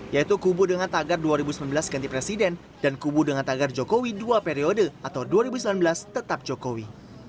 yaitu kubu dengan tagar dua ribu sembilan belas ganti presiden dan kubu dengan tagar jokowi dua periode atau dua ribu sembilan belas tetap jokowi